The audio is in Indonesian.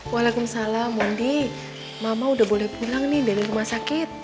waalaikumsalam mondi mama udah boleh pulang nih dari rumah sakit